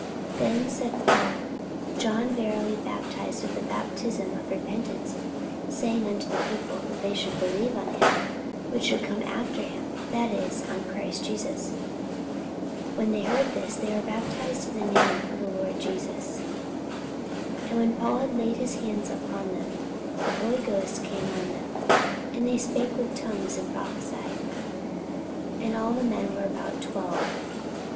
44:019:004 Then said Paul, John verily baptized with the baptism of repentance, saying unto the people, that they should believe on him which should come after him, that is, on Christ Jesus. 44:019:005 When they heard this, they were baptized in the name of the Lord Jesus. 44:019:006 And when Paul had laid his hands upon them, the Holy Ghost came on them; and they spake with tongues, and prophesied. 44:019:007 And all the men were about twelve.